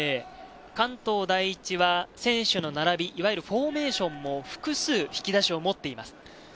関東第一は選手の並び、いわゆるフォーメーションも複数引き出しを持っています。